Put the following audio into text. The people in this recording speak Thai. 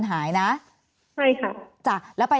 แอนตาซินเยลโรคกระเพาะอาหารท้องอืดจุกเสียดแสบร้อน